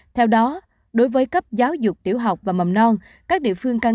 theo đó đối với cấp giáo dục tiểu học và mầm non